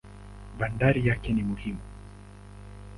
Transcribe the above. Bandari yake ni muhimu.